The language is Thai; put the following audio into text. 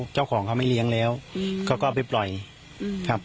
เจ้าของเขาไม่เลี้ยงแล้วเขาก็เอาไปปล่อยครับ